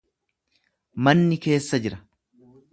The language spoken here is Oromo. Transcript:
Manni keessa jira.